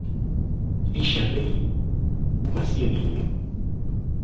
dichavei o baseadinho